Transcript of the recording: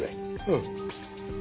うん。